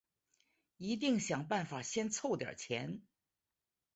一定想办法先凑点钱